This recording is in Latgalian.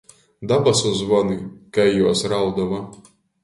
Dabasu zvoni, kai juos raudova!